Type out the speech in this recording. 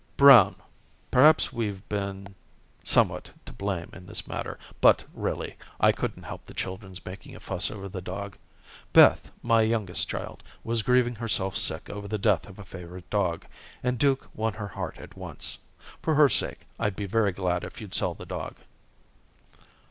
"Brown, perhaps we've been somewhat to blame in this matter, but, really, I couldn't help the children's making a fuss over the dog. Beth, my youngest child, was grieving herself sick over the death of a favorite dog, and Duke won her heart at once. For her sake, I'd be very glad if you'd sell the dog."